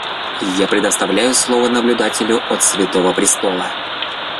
Я предоставляю слово наблюдателю от Святого Престола.